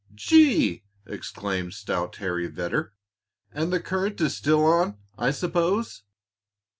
"Gee!" exclaimed stout Harry Vedder. "And the current still on, I s'pose?"